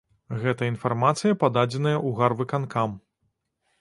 Гэта інфармацыя пададзеная ў гарвыканкам.